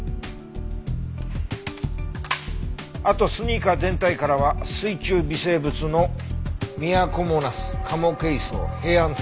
あとスニーカー全体からは水中微生物のミヤコモナスカモケイソウヘイアンセンモウ。